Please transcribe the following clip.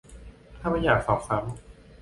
ถ้าไม่อยากสอบซ้ำ